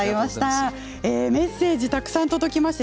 メッセージたくさん届きました。